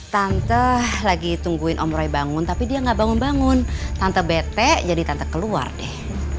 tante lagi tungguin om roy bangun tapi dia nggak bangun bangun tante bete jadi tante keluar deh